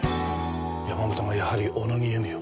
山本がやはり小野木由美を。